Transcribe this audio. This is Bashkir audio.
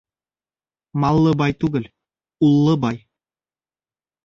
Маллы бай түгел, уллы бай.